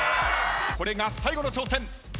これが最後の挑戦。